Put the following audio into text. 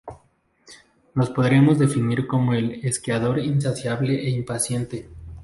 La podríamos definir como el esquiador insaciable e impaciente.